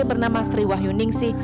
bernama sri wahyuningsi